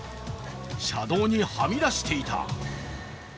車道にはみ出していた。